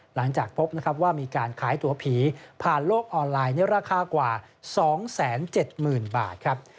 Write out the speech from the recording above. หลังจากพบนะครับว่ามีการขายตัวผีผ่านโลกออนไลน์ในราคากว่า๒๗๐๐๐บาทครับ